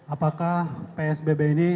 apakah psbb ini